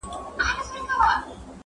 o د ټوکي نه پټاکه جوړه سوه٫